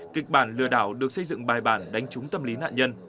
kịch bản lừa đảo được xây dựng bài bản đánh trúng tâm lý nạn nhân